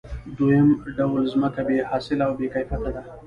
دویم ډول ځمکه بې حاصله او بې کیفیته ده